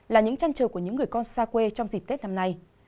là những chăn trời của những người con xa quê trong dịp tết năm nay